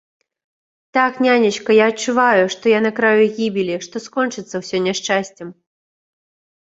Так, нянечка, я адчуваю, што я на краю гібелі, што скончыцца ўсё няшчасцем!